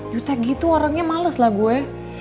you take gitu orangnya males lah gue